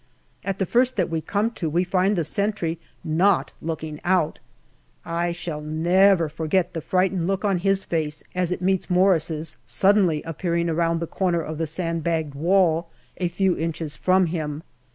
At the first that we come to we find the sentry not looking out. I shah 1 never forget the frightened look on his face as it meets Morris's suddenly appearing around the corner of the sand bagged wall a few inches from him.